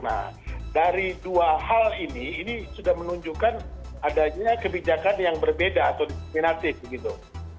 nah dari dua hal ini ini sudah menunjukkan adanya kebijakan yang berbeda atau diskriminatif gitu